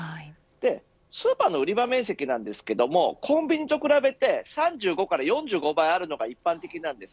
スーパーの売り場面積ですがコンビニと比べて３５から４５倍あるのが一般的なんです。